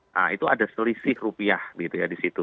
nah itu ada selisih rupiah gitu ya di situ